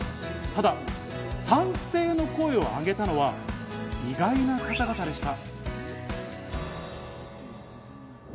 ただ賛成の声をあげたのは意外な方々でした。